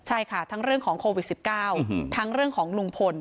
ใช่ค่ะทั้งเรื่องของโควิด๑๙ทั้งเรื่องของลุงพล